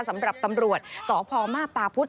สำหรับตำรวจสพมาพตาพุธ